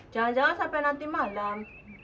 jangan jangan sampai nanti malam